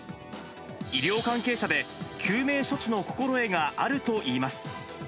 医療関係者で、救命処置の心得があるといいます。